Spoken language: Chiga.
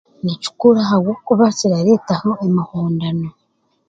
Ni kikuru ahabwokuba kirareetamu emihondano